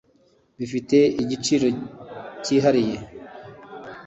bifite igiciro cyihariye